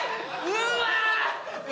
うわ！